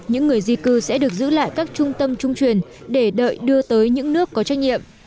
những người di cư sẽ được giữ lại các trung tâm trung truyền để đợi đưa tới những nước có trách nhiệm